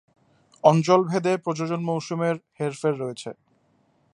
অঞ্চলভেদে প্রজনন মৌসুমের হেরফের রয়েছে।।